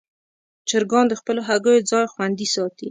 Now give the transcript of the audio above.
چرګان د خپلو هګیو ځای خوندي ساتي.